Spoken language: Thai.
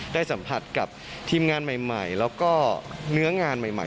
ได้สัมผัสกับทีมงานใหม่แล้วก็เนื้องานใหม่